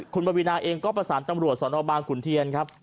คุณปวีนาเองก็ประสานตำรวจสนบางขุนเทียนครับ